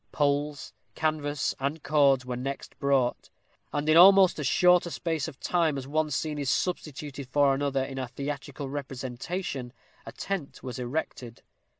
Poles, canvas, and cords were next brought; and in almost as short a space of time as one scene is substituted for another in a theatrical representation, a tent was erected.